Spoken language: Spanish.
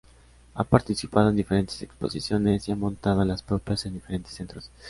Ha participado en diferentes exposiciones y ha montado las propias en diferentes centros.